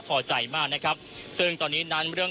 คุณทัศนาควดทองเลยค่ะ